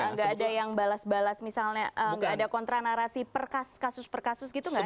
jadi nggak ada yang balas balas misalnya nggak ada kontra narasi per kasus per kasus gitu nggak ada